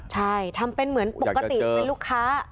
ใช่ทำเป็นเหมือนปกติเป็นลูกค้า